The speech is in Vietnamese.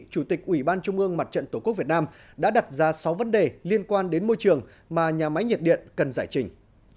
chủ tịch ủy ban trung ương mặt trận tổ quốc việt nam đã đặt ra sáu vấn đề liên quan đến môi trường mà nhà máy nhiệt điện cần giải trình